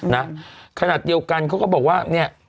นะขนาดเดียวกันเขาก็บอกว่าเนี่ย